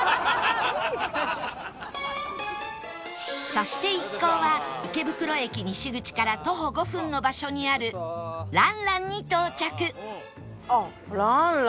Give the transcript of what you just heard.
そして一行は池袋駅西口から徒歩５分の場所にある蘭蘭に到着